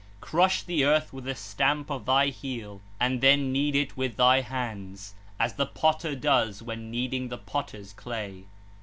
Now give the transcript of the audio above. Crush the earth with a stamp of thy heel, and then knead it with thy hands, as the potter does when kneading the potter's clay 3.'